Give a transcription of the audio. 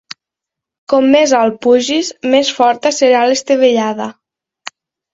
Com més alt pugis, més forta serà l'estavellada.